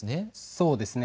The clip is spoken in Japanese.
そうですね。